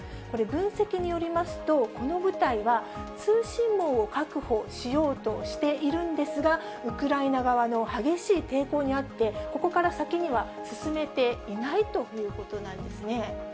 これ、分析によりますと、この部隊は、通信網を確保しようとしているんですが、ウクライナ側の激しい抵抗にあって、ここから先には進めていないということなんですね。